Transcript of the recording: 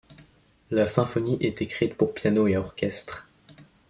La symphonie est écrite pour piano et orchestre.